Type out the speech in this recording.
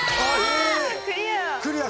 クリア！